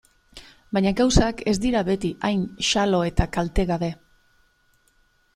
Baina gauzak ez dira beti hain xalo eta kaltegabe.